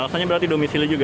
alasannya berarti domisili juga